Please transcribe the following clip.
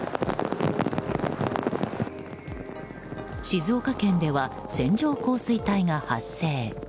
静岡県では、線状降水帯が発生。